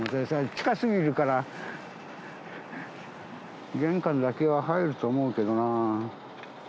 近すぎるから、玄関だけは入ると思うけどなぁ。